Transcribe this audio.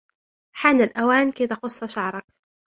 حان الأوان كي تقص شعرك.